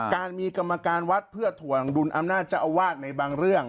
การมีกรรมการวัดเพื่อถ่วงดุลอำนาจเจ้าอาวาสในบางเรื่อง